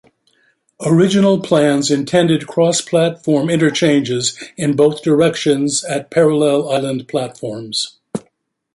Original plans intended cross-platform interchanges in both directions at parallel island platforms.